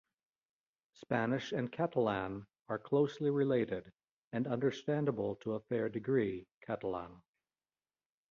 Spanish and Catalan are closely related and understandable to a fair degree Catalan.